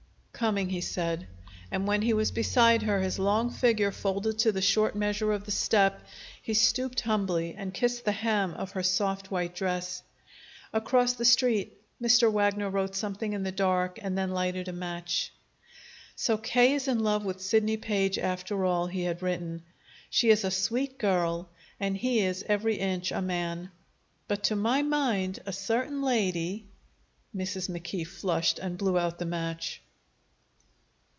"Coming," he said. And, when he was beside her, his long figure folded to the short measure of the step, he stooped humbly and kissed the hem of her soft white dress. Across the Street, Mr. Wagner wrote something in the dark and then lighted a match. "So K. is in love with Sidney Page, after all!" he had written. "She is a sweet girl, and he is every inch a man. But, to my mind, a certain lady " Mrs. McKee flushed and blew out the match.